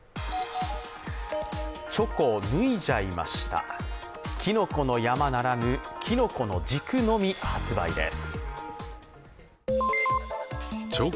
チョコぬいじゃいましたきのこの山ならぬ、きのこの軸のみ発売です。